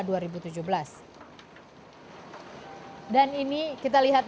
dan ini kita lihat bersama kementerian energi dan sumber demerol